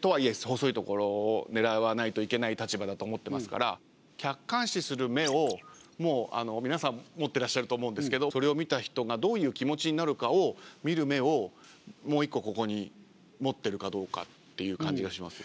とはいえ細いところを狙わないといけない立場だと思ってますから客観視する目をもう皆さん持ってらっしゃると思うんですけどそれを見た人がどういう気持ちになるかを見る目をもう一個ここに持ってるかどうかっていう感じがしますけど。